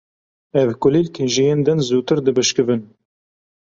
Ev kulîlk ji yên din zûtir dibişkivin.